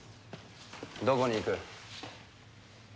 どこに行く？